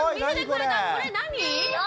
これ何？